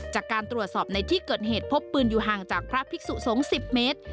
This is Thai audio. จากการตรวจสอบในที่เกิดเหตุพบปืนอยู่ห่างจากพระภิกษุสงฆ์๑๐เมตร